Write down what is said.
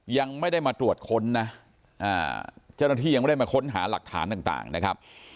ยังไม่ได้มาตรวจค้นนะเจ้าหน้าที่ยังไม่ได้มาค้นหาหลักฐานต่างนะครับ